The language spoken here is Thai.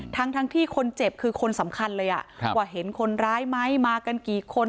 ทั้งที่คนเจ็บคือคนสำคัญเลยว่าเห็นคนร้ายไหมมากันกี่คน